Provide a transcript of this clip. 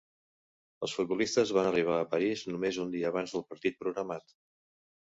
Els futbolistes van arribar a París només un dia abans del partit programat.